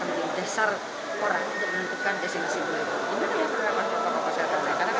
ini adalah pererakan protokol kesehatan